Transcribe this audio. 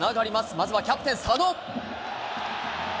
まずはキャプテン、佐野。